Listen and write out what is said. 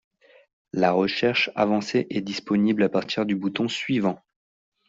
La recherche avancée est disponible à partir du bouton suivant.